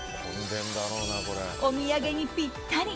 お土産にぴったり！